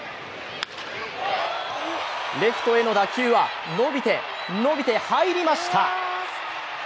レフトへの打球は伸びて、伸びて、入りました。